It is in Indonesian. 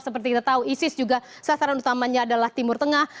seperti kita tahu isis juga sasaran utamanya adalah timur tengah